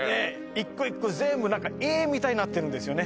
一個一個全部何か絵みたいなってるんですよね